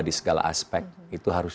di segala aspek itu harus